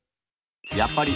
やっぱり。